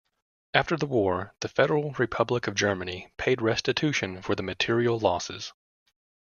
After the war, the Federal Republic of Germany paid restitution for the material losses.